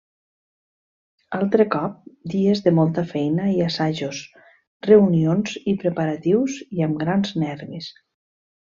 Altre cop, dies de molta feina i assajos, reunions i preparatius i amb grans nervis.